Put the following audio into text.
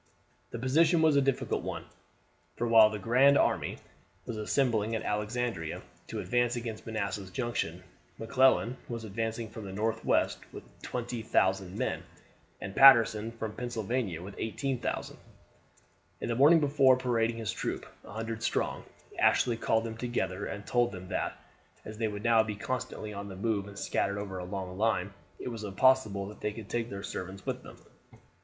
The position was a difficult one, for while "the grand army" was assembling at Alexandria to advance against Manassas Junction, McClellan was advancing from the northwest with 20,000 men, and Patterson from Pennsylvania with 18,000. In the morning before parading his troop, 100 strong, Ashley called them together and told them that, as they would now be constantly on the move and scattered over a long line, it was impossible that they could take their servants with them.